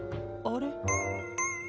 あれ？